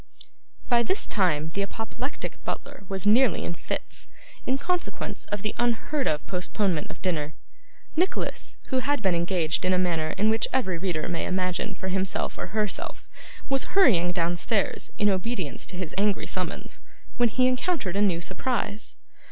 By this time, the apoplectic butler was nearly in fits, in consequence of the unheard of postponement of dinner. Nicholas, who had been engaged in a manner in which every reader may imagine for himself or herself, was hurrying downstairs in obedience to his angry summons, when he encountered a new surprise.